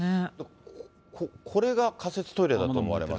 これが仮設トイレだと思われます。